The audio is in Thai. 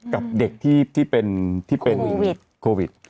กับเด็กที่เป็นโควิด